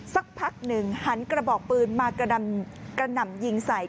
สักพักหนึ่งหันกระบอกปืนมากระหน่ำยิงใส่